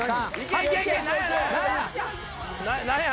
何や？